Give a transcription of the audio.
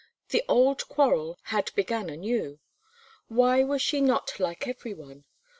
The old quarrel had began anew. Why was she not like every one?